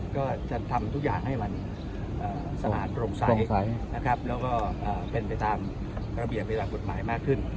ก็จะทำทุกอย่างให้มันสนานโปร่งใสนะครับแล้วก็เป็นไปตามระเบียบเวลากฎหมายมากขึ้น